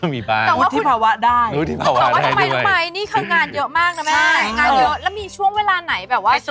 ไม่ได้ทุกวันแต่ไม่ได้ทุกวัน